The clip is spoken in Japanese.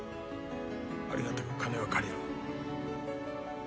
ありがたく金は借りる。